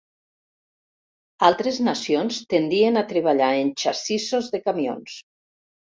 Altres nacions tendien a treballar en xassissos de camions.